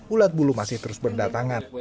ulat bulu masih terus berdatangan